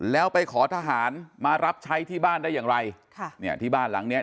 แล้วไปขอทหารมารับใช้ที่บ้านได้อย่างไรค่ะเนี่ยที่บ้านหลังเนี้ย